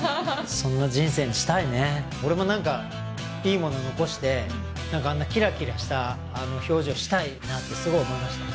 そんな人生にしたいね俺も何かいいもの残してあんなキラキラした表情したいなってすごい思いましたね